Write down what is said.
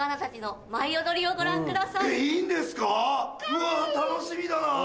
うわ楽しみだな。